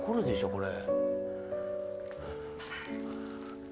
これ。